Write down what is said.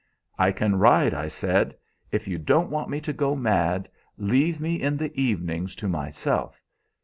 "'I can ride,' I said. 'If you don't want me to go mad, leave me in the evenings to myself.